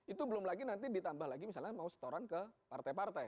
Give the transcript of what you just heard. itu belum lagi nanti ditambah lagi misalnya mau setoran ke partai partai